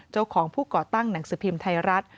เจ้าของผู้ก่อตั้งหนังสือพิมพ์ไทยรัฐ